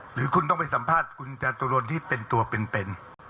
หรือคุณต้องไปสัมภาษณ์คุณจตุรนที่เป็นตัวเป็น